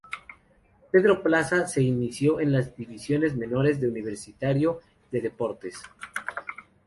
Pedro Plaza se inició en las divisiones menores de Universitario de Deportes.